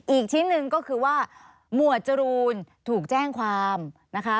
อีกชิ้นหนึ่งก็คือว่าหมวดจรูนถูกแจ้งความนะคะ